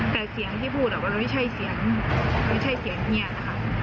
แต่เสียงที่พูดอ่ะว่าไม่ใช่เสียงเงียนนะฮะ